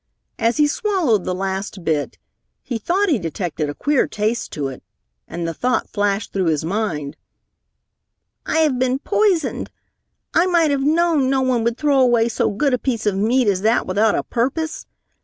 As he swallowed the last bit, he thought he detected a queer taste to it, and the thought flashed through his mind, "I have been poisoned! I might have known no one would throw away so good a piece of meat as that without a purpose.